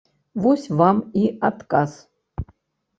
Вось вам і адказ.